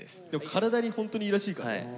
体にホントにいいらしいからね。